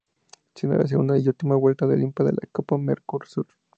Siendo la segunda y última vuelta olímpica de la Copa Mercosur.